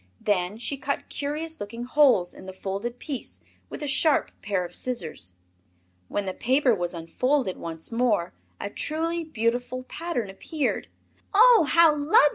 Then she cut curious looking holes in the folded piece with a sharp pair of scissors. When the paper was unfolded once more a truly beautiful pattern appeared. "Oh, how lubby!"